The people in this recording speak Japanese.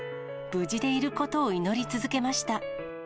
無事でいることを祈り続けました。